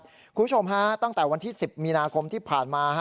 คุณผู้ชมฮะตั้งแต่วันที่๑๐มีนาคมที่ผ่านมา